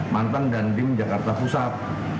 mantan dandim jakarta pusat